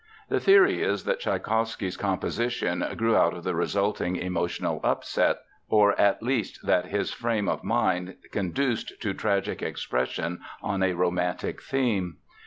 The theory is that Tschaikowsky's composition grew out of the resulting emotional upset, or at least that his frame of mind conduced to tragic expression on a romantic theme.